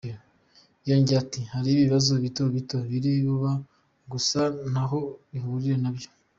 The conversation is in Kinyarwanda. Yongeye ati "Hari ibibazo bito bito biri kuba gusa ntaho bihuriye n’ibyo.